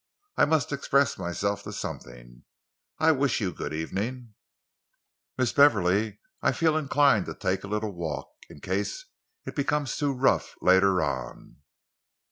I must express myself to something. I will wish you good evening, Miss Beverley. I feel inclined to take a little walk, in case it becomes too rough later on."